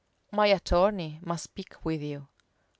My attorney must speak with you."